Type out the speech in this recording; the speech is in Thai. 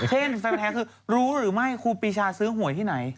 แฟนแท้คือรู้หรือไม่ครูปีชาซื้อหวยที่ไหน